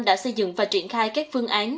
đã xây dựng và triển khai các phương án